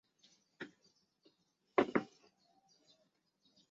其家族世有贤名。